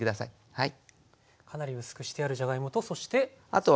はい。